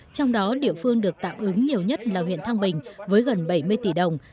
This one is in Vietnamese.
trong đó địa phương được tạm ứng nhiều nhất là huyện thăng bình với gần bảy mươi tỷ đồng